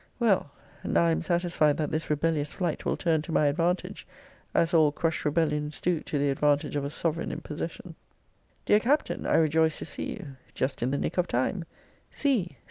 Well, now I am satisfied that this rebellious flight will turn to my advantage, as all crushed rebellions do to the advantage of a sovereign in possession. Dear Captain, I rejoice to see you just in the nick of time See!